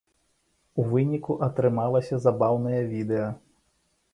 У выніку атрымалася забаўнае відэа.